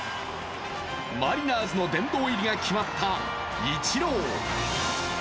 マリナーズの殿堂入りが決まったイチロー。